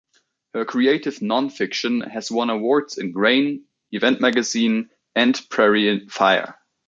Her creative nonfiction has won awards in Grain, Event Magazine, and Prairie Fire.